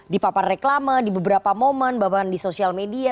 di papan reklama di beberapa momen bahkan di sosial media